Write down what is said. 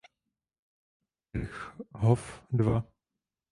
Kirchhof dva